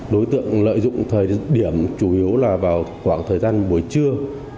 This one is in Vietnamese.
đối tượng lợi dụng thời điểm chủ yếu là vào khoảng thời gian buổi trưa